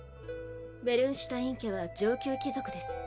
ベルンシュタイン家は上級貴族です